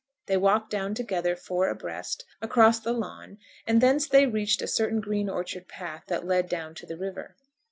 They walked down together, four abreast, across the lawn, and thence they reached a certain green orchard path that led down to the river.